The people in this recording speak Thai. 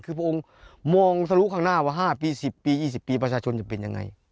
คือพระองค์มองสรุข้างหน้าว่า๕ปี๑๐ปี๒๐ปีประชาชนจะเป็นยังไง